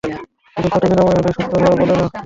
শুধু ক্ষত নিরাময় হলেই সুস্থ হওয়া বলে না।